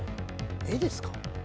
絵ですか？